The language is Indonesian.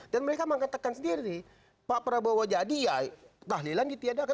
dan mereka mengatakan sendiri pak prabowo jadi ya tahlilan ditiadakan